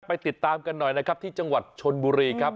ติดตามกันหน่อยนะครับที่จังหวัดชนบุรีครับ